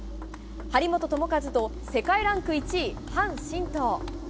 張本智和と世界ランク１位、樊振東。